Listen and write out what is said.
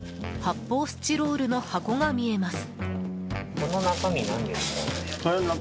かばんの中に発泡スチロールの箱が見えます。